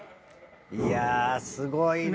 いやすごいね。